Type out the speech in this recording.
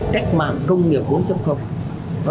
cách mạng công nghiệp bốn